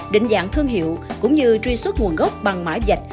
định dạng thương hiệu cũng như truy xuất nguồn gốc bằng mã dạch